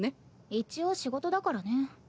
一応仕事だからね。